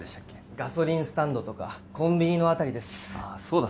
ガソリンスタンドとかコンビニの辺りですそうだ